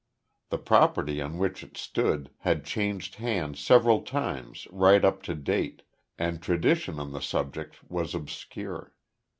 The property on which it stood had changed hands several times right up to date, and tradition on the subject was obscure.